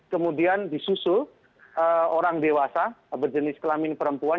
kemudian disusul orang dewasa berjenis kelamin perempuan